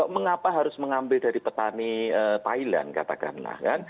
mengapa harus mengambil dari petani thailand katakanlah kan